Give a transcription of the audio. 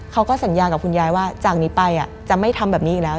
เขาก็สัญญากับคุณยายว่าจากนี้ไปจะไม่ทำแบบนี้อีกแล้ว